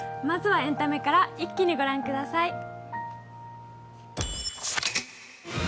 まずはエンタメから一気に御覧ください。